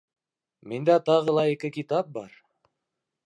Миндә тағы ла ике китап бар.